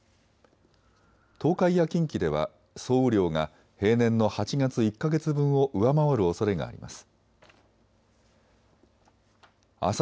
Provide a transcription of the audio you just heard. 東海や近畿では総雨量が平年の８月１か月分を上回るおそれがあります。